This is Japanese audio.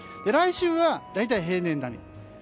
来週は大体平年並み。